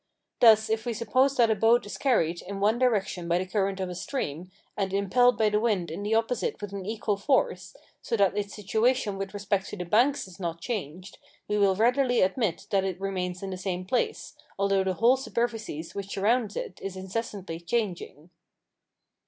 Thus, if we suppose that a boat is carried in one direction by the current of a stream, and impelled by the wind in the opposite with an equal force, so that its situation with respect to the banks is not changed, we will readily admit that it remains in the same place, although the whole superficies which surrounds it is incessantly changing.